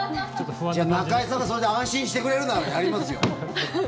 じゃあ、中居さんがそれで安心してくれるならやりますよ！